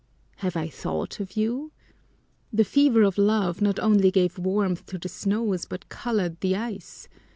"Have I thought of you? The fever of love not only gave warmth to the snows but colored the ice!